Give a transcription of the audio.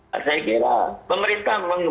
saya kira pemerintah